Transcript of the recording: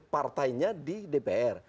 partainya di dpr